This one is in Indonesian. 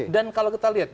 dan kalau kita lihat